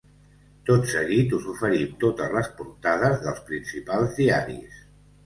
Tot seguit us oferim totes les portades dels principals diaris.